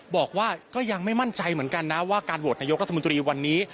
บอกว่าก็ยังไม่มั่นใจเหมือนกันนะว่าการโหวตนายกรัฐมนตรีวันนี้